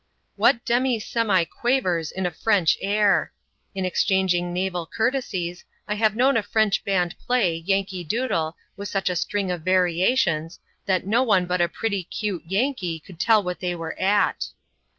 What demi semi quavers in a French air ! In exchanging naval coui:tesies, I have known a French band play " Yankee Doodle " with such a string of variations, that no one but a " pretty 'cute " Yankee could tell what they were «i.t.